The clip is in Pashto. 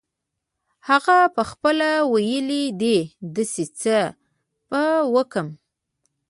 هغه پخپله ویلې دي داسې څه به وکړم.